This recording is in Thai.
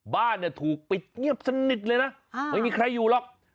บ้านเนี่ยถูกปิดเงียบสนิทเลยนะไม่มีใครอยู่หรอก